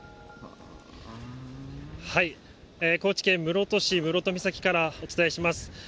高知県室戸市室戸岬からお伝えします。